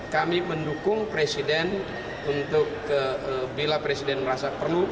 kami mendukung presiden untuk bila presiden merasa perlu